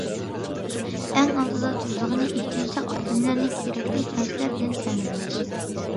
ئەڭ ئالدىدا تۇرىدىغىنى، ئېھتىياجلىق ئادەملەرنى كېرەكلىك نەرسىلەر بىلەن تەمىنلەش.